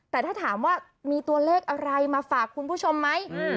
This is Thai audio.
แต่ถ้าถามว่ามีตัวเลขอะไรมาฝากคุณผู้ชมไหม